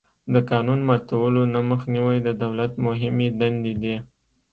د قانون ماتولو نه مخنیوی د دولت مهمې دندې دي.